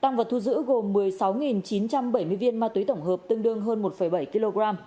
giữ gồm một mươi sáu chín trăm bảy mươi viên ma túy tổng hợp tương đương hơn một bảy kg